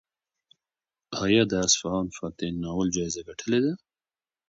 ایا د اصفهان فاتح ناول جایزه ګټلې ده؟